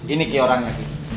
ini ki orangnya